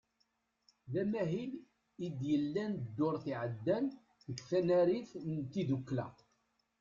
D amahil i d-yellan ddurt iɛeddan deg tnarit n tiddukla.